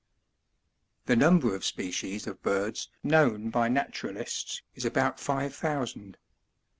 17. The number of species of birds known by naturalists is about five thousand.